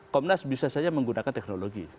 komnas bisa saja menggunakan teknologi